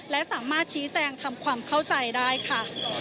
และสามารถชี้แจงทำความเข้าใจได้ค่ะ